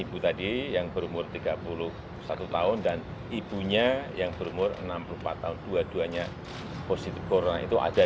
pak yang berinteraksi dengan orang jepang itu kan tidak hanya dua orang saja